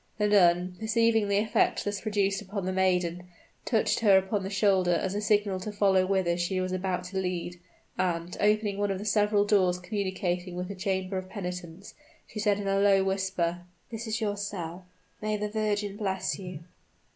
The nun, perceiving the effect thus produced upon the maiden, touched her upon the shoulder as a signal to follow whither she was about to lead; and, opening one of the several doors communicating with the Chamber of Penitence, she said in a low whisper "This is your cell. May the Virgin bless you!"